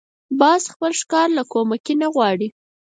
باز خپل ښکار له کومکي نه غواړي